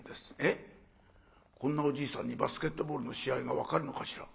えっこんなおじいさんにバスケットボールの試合が分かるのかしら？